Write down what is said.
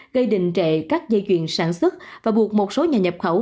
gây đình trệ các dây chuyền sản xuất và buộc một số nhà nhập khẩu